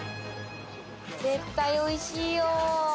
絶対美味しいよ。